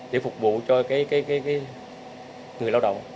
để phục vụ cho người lao động